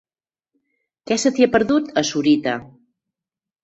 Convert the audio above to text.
Què se t'hi ha perdut, a Sorita?